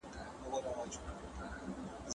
وېران